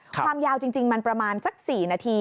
ความยาวจริงมันประมาณสัก๔นาที